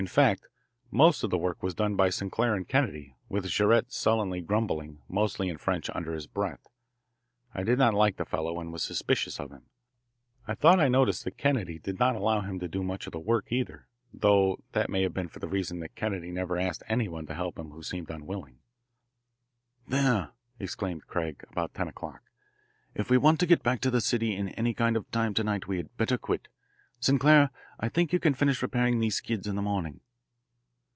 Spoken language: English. In fact, most of the work was done by Sinclair and Kennedy, with Jaurette sullenly grumbling, mostly in French under his breath. I did not like the fellow and was suspicious of him. I thought I noticed that Kennedy did not allow him to do much of the work, either, though that may have been for the reason that Kennedy never asked anyone to help him who seemed unwilling. "There," exclaimed Craig about ten o'clock. "If we want to get back to the city in any kind of time to night we had better quit. Sinclair, I think you can finish repairing these skids in the morning."